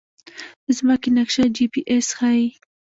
د ځمکې نقشه جی پي اس ښيي